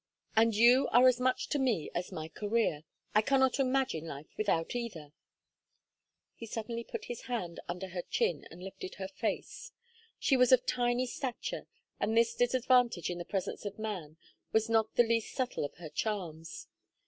And you are as much to me as my career. I cannot imagine life without either." He suddenly put his hand under her chin and lifted her face; she was of tiny stature and this disadvantage in the presence of man was not the least subtle of her charms.